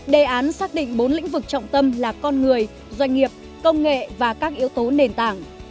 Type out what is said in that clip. đề án xác định bốn lĩnh vực trọng tâm là con người doanh nghiệp công nghệ và các yếu tố nền tảng